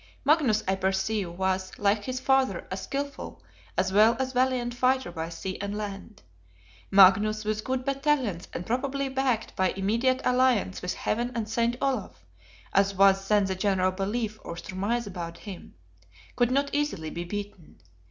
Magnus, I perceive, was, like his Father, a skilful as well as valiant fighter by sea and land; Magnus, with good battalions, and probably backed by immediate alliance with Heaven and St. Olaf, as was then the general belief or surmise about him, could not easily be beaten.